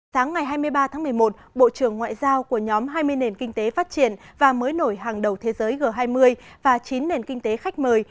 sáng ngày hai mươi ba tháng một mươi một bộ trưởng ngoại giao của nhóm hai mươi nền kinh tế phát triển và mới nổi hàng đầu thế giới g hai mươi và chín nền kinh tế khách mời